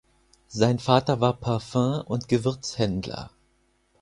Sein Vater war Parfüm- und Gewürzhändler.